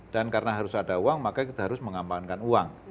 karena harus ada uang maka kita harus mengamankan uang